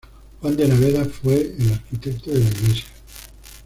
Juan de Naveda fue el arquitecto de la iglesia.